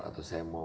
atau saya mau